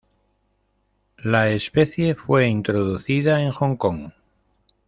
La especie fue introducida en Hong Kong.